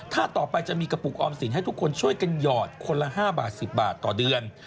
ถ้าต่อไปจะมีกระปุกออมสินให้ทุกคนช่วยกันหยอดคนละ๕บาท๑๐บาทต่อเดือน